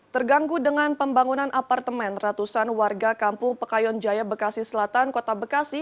terganggu dengan pembangunan apartemen ratusan warga kampung pekayon jaya bekasi selatan kota bekasi